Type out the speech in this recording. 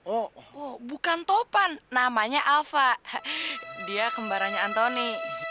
oh bukan topan namanya alva dia kembaranya anthony